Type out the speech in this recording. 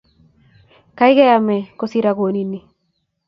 kakai ame kosir akonin ni.